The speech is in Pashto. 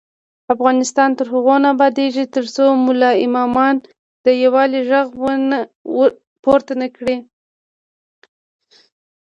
افغانستان تر هغو نه ابادیږي، ترڅو ملا امامان د یووالي غږ پورته نکړي.